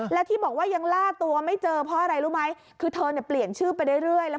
และที่บอกว่ายังล่าตัวไม่เจอเพราะอะไรรู้ไหมคือเธอเนี่ยเปลี่ยนชื่อไปเรื่อย